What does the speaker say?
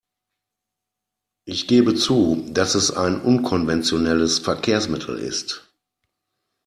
Ich gebe zu, dass es ein unkonventionelles Verkehrsmittel ist.